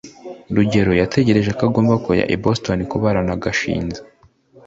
rugeyo yatekereje ko agomba kujya i boston kubana na gashinzi